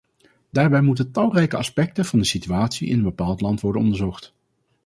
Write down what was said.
Daarbij moeten talrijke aspecten van de situatie in een bepaald land worden onderzocht.